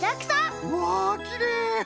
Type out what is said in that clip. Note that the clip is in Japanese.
うわきれい！